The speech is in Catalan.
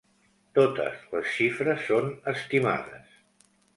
Totes les xifres són estimades.